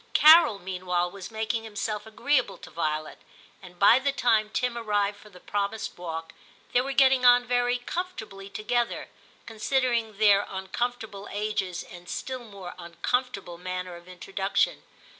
Carol meanwhile was making himself VIII TIM 1 75 agreeable to Violet, and by the time Tim arrived for the promised walk, they were getting on very comfortably together, con sidering their uncomfortable ages and still more uncomfortable manner of introduction.